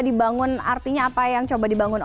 dibangun artinya apa yang coba dibangun